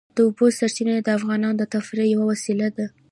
د اوبو سرچینې د افغانانو د تفریح یوه وسیله ده.